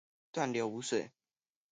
斷流無水